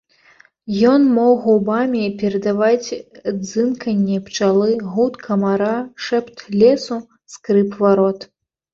Ён мог губамі перадаваць дзынканне пчалы, гуд камара, шэпт лесу, скрып варот.